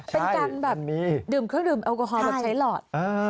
เป็นการแบบดื่มเครื่องดื่มแอลกอฮอลแบบใช้หลอด